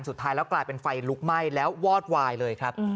สุดท้ายแล้วกลายเป็นไฟลุกไหม้แล้ววอดวายเลยครับ